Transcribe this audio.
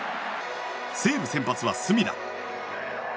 西武先発は隅田。